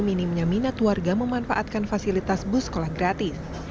minimnya minat warga memanfaatkan fasilitas bus sekolah gratis